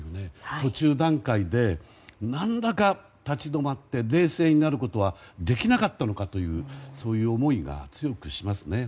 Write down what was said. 途中段階で立ち止まって冷静になることはできなかったのかというそういう思いが強くしますね。